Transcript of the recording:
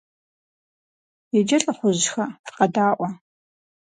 Иджы, лӀыхъужьхэ, фыкъэдаӀуэ!